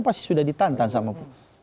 pasti sudah ditantang sama pak jokowi